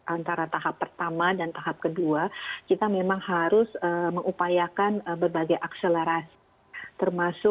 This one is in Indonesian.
antara tahap pertama dan tahap kedua kita memang harus mengupayakan berbagai akselerasi